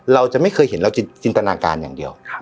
เราจะไม่เคยเห็นเราจินตนาการอย่างเดียว